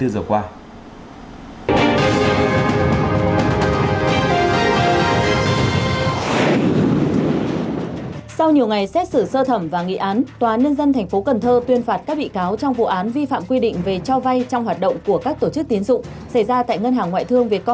xảy ra tại ngân hàng ngoại thương việt công banh chi nhánh tây đô